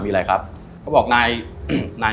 มีอะไรครับเข้าบอกนาย